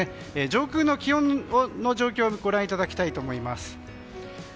上空の気温の状況をご覧いただきたいと思います。